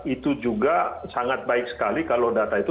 itu juga sangat baik sekali kalau data itu